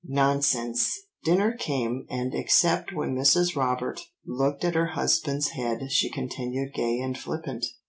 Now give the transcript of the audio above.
"'Nonsense!' "Dinner came, and except when Mrs. Robert looked at her husband's head she continued gay and flippant."